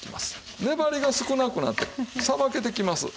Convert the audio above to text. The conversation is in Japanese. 粘りが少なくなってさばけてきます。